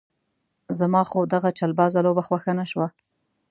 زما خو دغه چلبازه لوبه خوښه نه شوه.